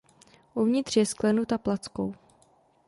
Uvnitř je sklenuta plackou.